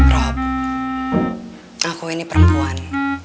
rob aku ini perempuan